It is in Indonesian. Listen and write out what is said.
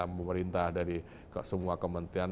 pemerintah dari semua kementerian